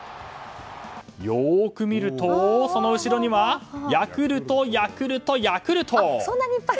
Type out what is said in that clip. よく見ると、その後ろにはヤクルト、ヤクルト、ヤクルト！